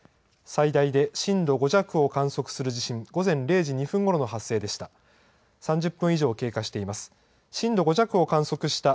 最大で震度５弱を観測する地震、午前０時２分ごろの発生でした。